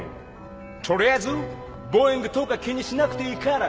とりあえずボウイングとか気にしなくていいから。